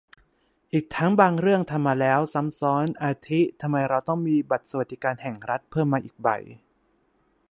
อีกทั้งบางเรื่องทำมาแล้ว ซ้ำซ้อน อาทิ ทำไมเราต้องมีบัตรสวัสดิการแห่งรัฐ เพิ่มมาอีกใบ